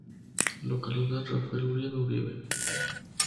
Localidad Rafael Uribe Uribe